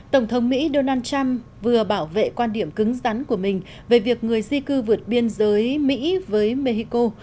tổng thống mỹ donald trump vừa bảo vệ quan điểm cứng rắn của mình về việc người di cư vượt biên giới mỹ với mexico